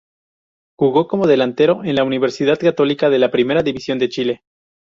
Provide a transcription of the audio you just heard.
Jugó como delantero en la Universidad Católica de la Primera División de Chile.